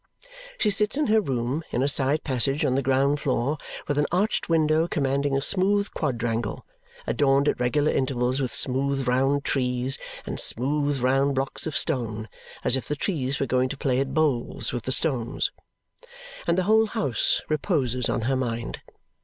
She sits in her room (in a side passage on the ground floor, with an arched window commanding a smooth quadrangle, adorned at regular intervals with smooth round trees and smooth round blocks of stone, as if the trees were going to play at bowls with the stones), and the whole house reposes on her mind.